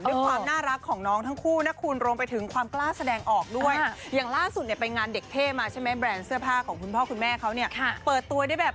ด้วยความน่ารักของน้องทั้งคู่นักคุณลงไปถึงความกล้าแสดงออกด้วย